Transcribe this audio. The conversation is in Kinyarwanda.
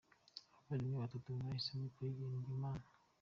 Abavandimwe batatu bahisemo kuririmbira Imana